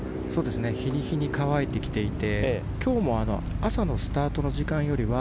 日に日に乾いてきていて今日も朝のスタートの時間よりは